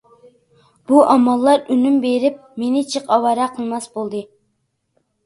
بۇ ئاماللار ئۈنۈم بېرىپ مېنى جىق ئاۋارە قىلماس بولدى.